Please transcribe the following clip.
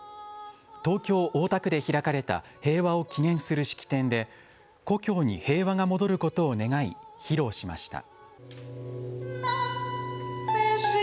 東京・大田区で開かれた平和を祈念する式典で故郷に平和が戻ることを願い披露しました。